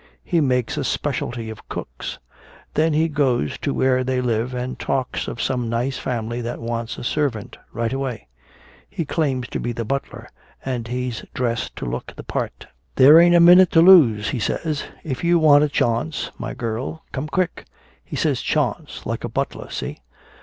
He makes a specialty of cooks. Then he goes to where they live and talks of some nice family that wants a servant right away. He claims to be the butler, and he's dressed to look the part. 'There ain't a minute to lose,' he says. 'If you want a chawnce, my girl, come quick.' He says 'chawnce' like a butler see?